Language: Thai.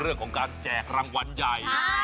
เรื่องของการแจกรางวัลใหญ่